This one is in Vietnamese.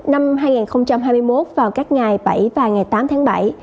năm hai nghìn hai mươi một vào các ngày bảy và ngày tám tháng bảy